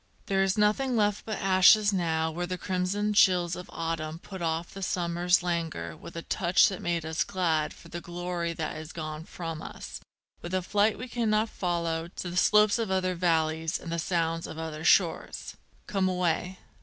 There is nothing left but ashes now where the crimson chills of autumn Put off the summer's languor with a touch that made us glad For the glory that is gone from us, with a flight we cannot follow, To the slopes of other valleys and the sounds of other shores. _Come away!